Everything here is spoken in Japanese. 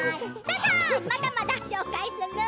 まだまだ紹介する。